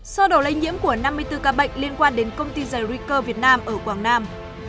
sơ đổ lây nhiễm của năm mươi bốn ca bệnh liên quan đến công ty zerica việt nam ở quảng nam